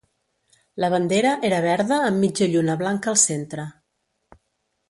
La bandera era verda amb mitja lluna blanca al centre.